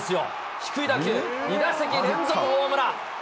低い打球、２打席連続ホームラン。